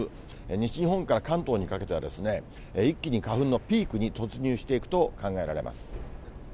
西日本から関東にかけては、一気に花粉のピークに突入していくと考えられます。